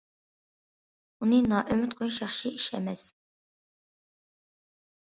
ئۇنى نائۈمىد قويۇش ياخشى ئىش ئەمەس.